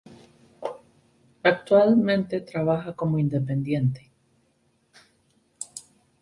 Actualmente trabaja como independiente.